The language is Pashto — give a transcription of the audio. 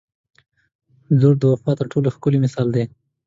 • لور د وفا تر ټولو ښکلی مثال دی.